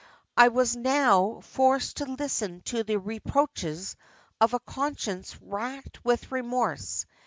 I was now forced to listen to the reproaches of a conscience racked with remorse.